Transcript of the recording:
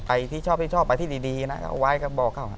ไปที่ชอบไปที่ดีไหว้ก็บอกเขา